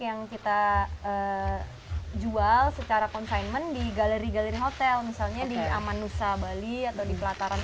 yang kita jual secara containment di galeri galeri hotel misalnya di amanusa bali atau di pelataran